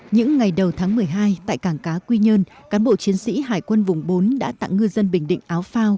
những ngày đầu tháng một mươi hai tại cảng cá quy nhơn cán bộ chiến sĩ hải quân vùng bốn đã tặng ngư dân bình định áo phao